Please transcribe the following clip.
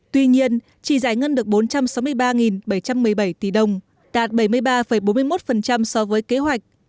tuy nhiên chỉ giải ngân được bốn trăm sáu mươi ba bảy trăm một mươi bảy tỷ đồng đạt bảy mươi ba bốn mươi một so với kế hoạch